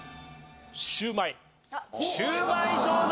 シューマイどうだ？